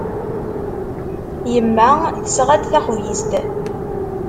Yemma tesɣa-d taxbizt.